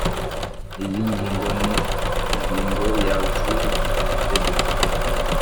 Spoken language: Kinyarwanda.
iyi ngingo n ingingo ya z iri tegeko